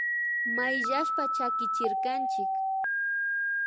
Mayllashpa chakichirkanchik